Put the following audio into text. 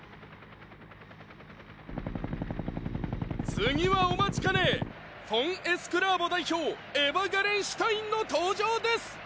次はお待ちかねフォン・エスクラーボ代表エヴァ・ガレンシュタインの登場です！